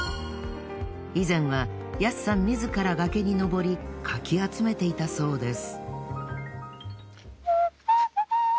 以前はヤスさん自ら崖に登りかき集めていたそうです。